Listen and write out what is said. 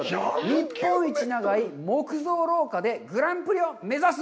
日本一長い木造廊下でグランプリを目指す！